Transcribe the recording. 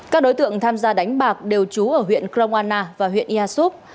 các đối tượng tham gia đánh bạc đều trú ở huyện kroana và huyện iasup